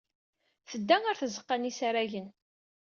Tedda ɣer tzeɣɣa n yisaragen.